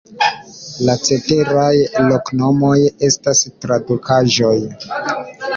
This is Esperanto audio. La ceteraj loknomoj estas tradukaĵoj.